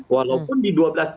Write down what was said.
walaupun di dua belas dua ribu tiga